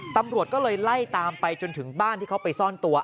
ตำรวจก็เลยไล่ตามไปจนถึงบ้านที่เขาไปซ่อนตัว